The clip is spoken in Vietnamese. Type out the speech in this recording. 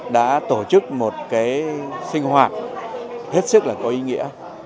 đã tổ chức một cái sinh hoạt hết sức là có ý nghĩa